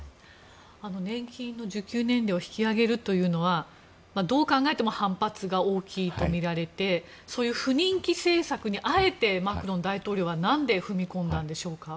年金の受給年齢を引き上げるというのはどう考えても反発が大きいとみられてそういう不人気政策にあえてマクロン大統領は何で踏み込んだのでしょうか？